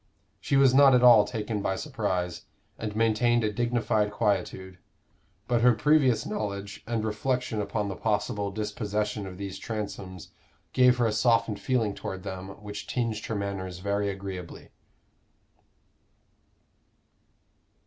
She was not at all taken by surprise, and maintained a dignified quietude; but her previous knowledge and reflection about the possible dispossession of these Transomes gave her a softened feeling toward them which tinged her manners very agreeably.